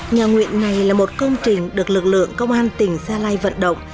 nhà nguyện này là một công trình được lực lượng công an tỉnh gia lai vận động